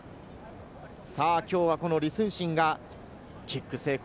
きょうは李承信がキック成功。